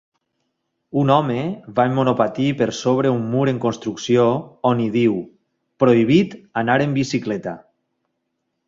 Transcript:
Un home va en monopatí per sobre un mur en construcció on hi diu "Prohibit anar en bicicleta".